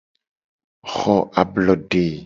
Xo ablode.